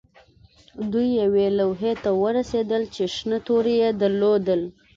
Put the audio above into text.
دوی یوې لوحې ته ورسیدل چې شنه توري یې درلودل